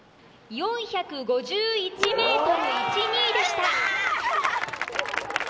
４５１．１２ｍでした。